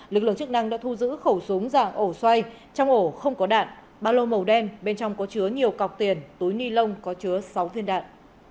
lực lượng chức năng đã thu giữ khẩu súng dạng ổ xoay trong ổ không có đạn ba lô màu đen bên trong có chứa nhiều cọc tiền túi ni lông có chứa sáu viên đạn